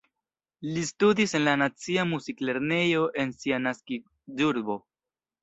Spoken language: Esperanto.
Li studis en la nacia muziklernejo en sia naskiĝurbo.